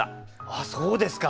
あっそうですか。